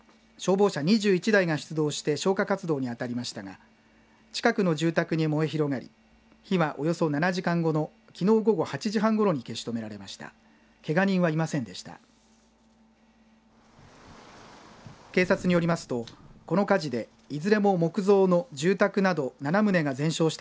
消防車２１台が出動して消火活動に当たりましたが近くの住宅に燃え広がり火はおよそ７時間後のきのう午後８時半ごろに消し止められましたがけが人はいませんでした。